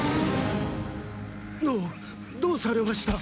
あっどうされました？